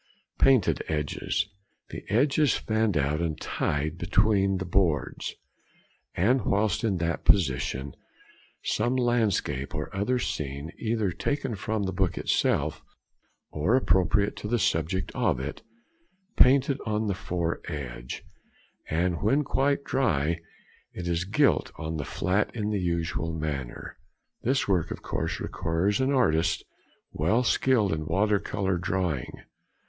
Painted Edges.—The edge is to fanned out and tied between boards, and whilst in that position some landscape or other scene, either taken from the book itself or appropriate to the subject of it, painted on the foredge, and when quite dry it is gilt on the flat in the usual manner. This work of course requires an artist well skilled in water colour drawing.